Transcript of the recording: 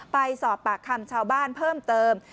ไปสอบปากคำชาวบ้านเพิ่มเติม